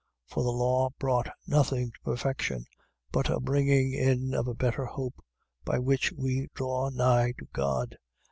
For the law brought nothing to perfection: but a bringing in of a better hope, by which we draw nigh to God.